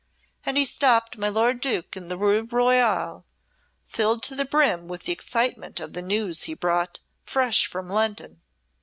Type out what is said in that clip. And he stopped my lord Duke in the Rue Royale, filled to the brim with the excitement of the news he brought fresh from London.